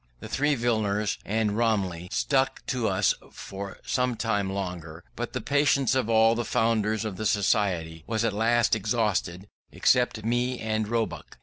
The three Villiers and Romilly stuck to us for some time longer, but the patience of all the founders of the Society was at last exhausted, except me and Roebuck.